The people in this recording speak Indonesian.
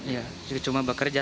ya cuma bekerja